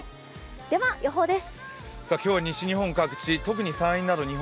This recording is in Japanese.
では予報です。